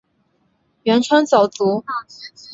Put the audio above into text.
袁侃早卒。